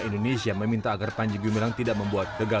yang bernama panji gumbilang itu